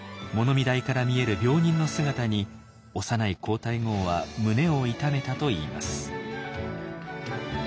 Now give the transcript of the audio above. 見台から見える病人の姿に幼い皇太后は胸を痛めたといいます。